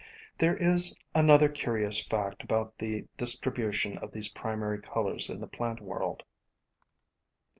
There is another curious fact about the distri bution of these primary colors in the plant world.